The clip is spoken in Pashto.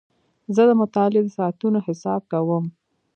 زه د مطالعې د ساعتونو حساب کوم.